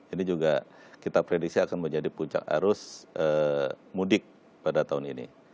ini juga kita prediksi akan menjadi puncak arus mudik pada tahun ini